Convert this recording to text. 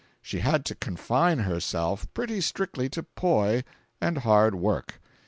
She had to confine herself pretty strictly to "poi" and hard work.